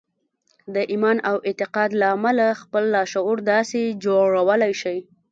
د ايمان او اعتقاد له امله خپل لاشعور داسې جوړولای شئ.